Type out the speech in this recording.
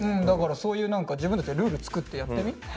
だからそういう何か自分たちでルール作ってやってみ？